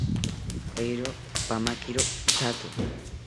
Eero, pamakiro thato